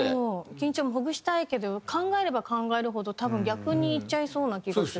緊張もほぐしたいけど考えれば考えるほど多分逆にいっちゃいそうな気がする。